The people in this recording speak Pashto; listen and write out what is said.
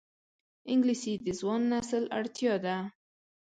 انګلیسي د ځوان نسل اړتیا ده